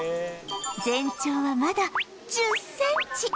全長はまだ１０センチ